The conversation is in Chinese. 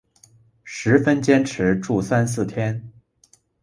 十分坚持住三四天